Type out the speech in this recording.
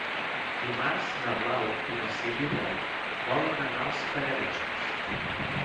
Dimarts na Blau i na Sibil·la volen anar als Pallaresos.